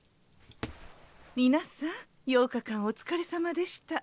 皆さん８日間お疲れさまでした。